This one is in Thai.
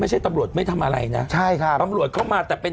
ตำรวจไม่ทำอะไรนะใช่ครับตำรวจเข้ามาแต่เป็น